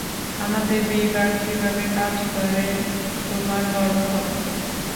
আমাদের বিভাগ কিভাবে কাজ করে, তোমার গর্ব হবে।